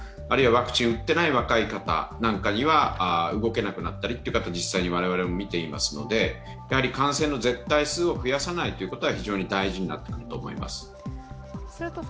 あるいはワクチンを打っていない若い方なんかには動けなくなったりという方、実際に我々も見ていますので感染の絶対数を増やさないことが非常に大事になってくると思います。